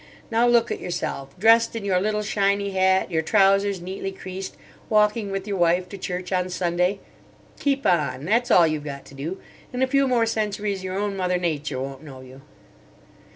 Now look at yourself—dressed in your little shiny hat, your trousers neatly creased, walking with your wife to church on Sunday! Keep on—that's all you've got to do. In a few more centuries your own mother Nature won't know you.